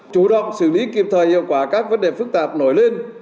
chủ động xử lý kịp thời hiệu quả các vấn đề phức tạp nổi lên